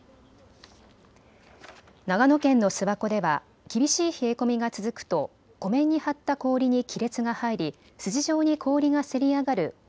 長野県の諏訪湖では厳しい冷え込みが続くと湖面に張った氷に亀裂が入り筋状に氷がせり上がる御